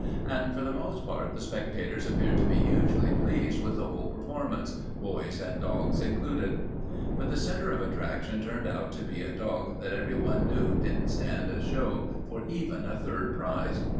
And for the most part the spectators appeared to be hugely pleased with the whole performance, boys and dogs included. But the center of attraction turned out to be a dog that everyone knew didn't stand a show for even third prize.